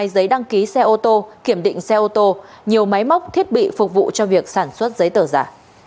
hai giấy đăng ký xe ô tô kiểm định xe ô tô nhiều máy móc thiết bị phục vụ cho việc sản xuất giấy tờ giả